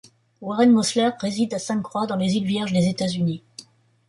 Warren Mosler réside à Sainte-Croix dans les îles Vierges des États-Unis.